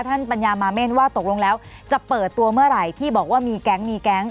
ปัญญามาเม่นว่าตกลงแล้วจะเปิดตัวเมื่อไหร่ที่บอกว่ามีแก๊งมีแก๊ง